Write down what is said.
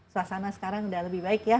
suasana sekarang sudah lebih baik ya